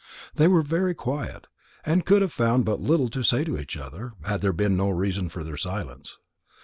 They were very quiet, and could have found but little to say to each other, had there been no reason for their silence.